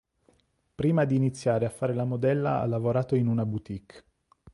Prima di iniziare a fare la modella ha lavorato in una boutique.